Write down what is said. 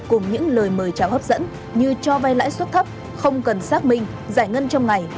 cùng những lời mời chào hấp dẫn như cho vay lãi suất thấp không cần xác minh giải ngân trong ngày